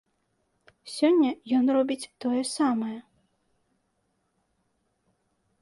Сёння ён робіць тое самае.